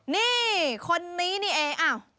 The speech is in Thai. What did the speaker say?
นี่คนนี้นี่เองทำไมไม่เห็นถอดเสื้อ